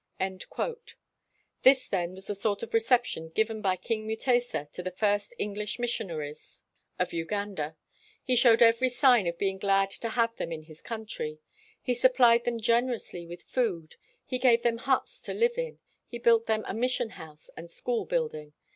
'' This then was the sort of reception given by King Mutesa to the first English mission 87 WHITE MAN OF WORK aries of Uganda. He showed every sign of being glad to have them in his country. He supplied them generously with food. He gave them huts to live in. He built them a mission house and school building.